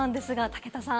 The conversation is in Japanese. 武田さん